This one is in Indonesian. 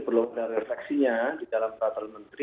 perlu kita refleksinya di dalam peraturan menteri